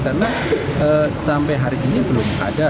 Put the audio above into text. karena sampai hari ini belum ada